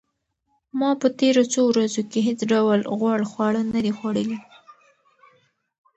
ما په تېرو څو ورځو کې هیڅ ډول غوړ خواړه نه دي خوړلي.